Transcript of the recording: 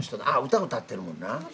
歌歌ってるもんな。